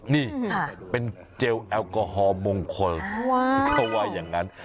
นี่เป็นเจลแอลกอฮอลมงคลเขาว่าอย่างนั้น